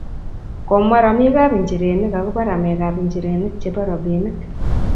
komwa romikab nchirenik akobo ramekab nchirenik chebo robinik.